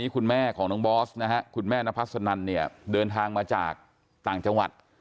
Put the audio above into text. คุณแม่ของน้องบอสนะฮะคุณแม่นพัสนันเนี่ยเดินทางมาจากต่างจังหวัด